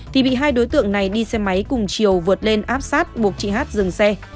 thì bị hai đối tượng này đi xe máy cùng chiều vượt lên áp sát buộc chị hát dừng xe